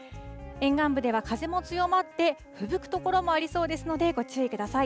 沿岸部では風も強まって、ふぶく所もありそうですので、ご注意ください。